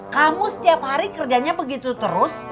kamu setiap hari kerjanya begitu terus